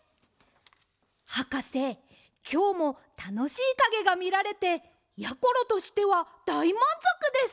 はかせきょうもたのしいかげがみられてやころとしてはだいまんぞくです！